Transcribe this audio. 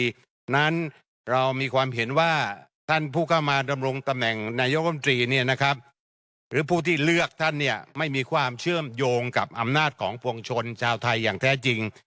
เพราะฉะนั้นเรามีความเห็นว่าท่านผู้เข้ามาดำรงตำแหน่งนายกรรมตรีเนี่ยนะครับหรือผู้ที่เลือกท่านเนี่ยไม่มีความเชื่อมโยงกับอำนาจของปวงชนชาวไทยอย่างแท้จริง